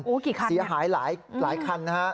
โอ้กี่คันสีหายหลายหลายคันนะฮะ